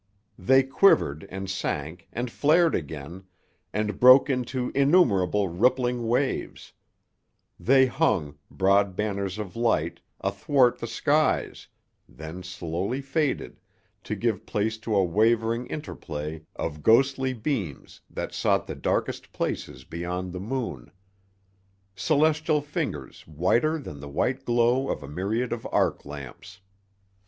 They quivered and sank, and flared again, and broke into innumerable rippling waves; they hung, broad banners of light, athwart the skies, then slowly faded, to give place to a wavering interplay of ghostly beams that sought the darkest places beyond the moon: celestial fingers whiter than the white glow of a myriad of arc lamps.